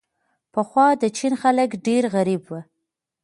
پخوا د چین خلک ډېر غریب وو.